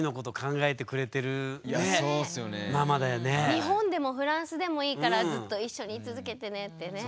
日本でもフランスでもいいからずっと一緒に居続けてねってね。